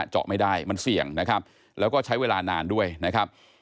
เจาะไม่ได้มันเสี่ยงนะครับแล้วก็ใช้เวลานานด้วยนะครับ